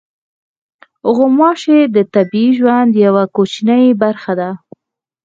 غوماشې د طبیعي ژوند یوه کوچنۍ برخه ده.